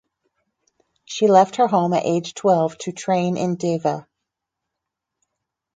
She left her home at age twelve to train in Deva.